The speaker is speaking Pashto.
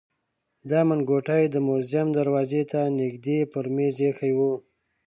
دا منګوټی د موزیم دروازې ته نژدې پر مېز ایښی و.